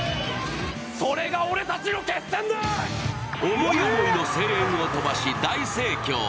思い思いの声援を飛ばし大盛況。